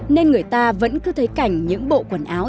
nên người ta vẫn cứ thấy cảnh những bộ quần áo